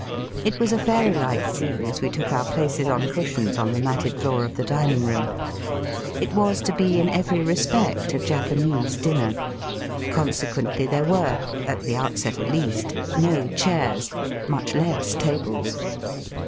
It was a fairy like scene as we took our places on cushions on the matted floor of the dining Digitized by VjOOQIC DINIKG AND CBEMATING. 11 room. It was to be in every respect a Japanese dinner ; consequently there were (at the out set at least) no chairs, much less tables.